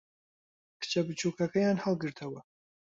کچە بچووکەکەیان ھەڵگرتەوە.